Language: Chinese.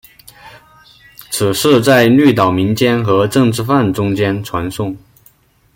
此事在绿岛民间和政治犯中间传诵。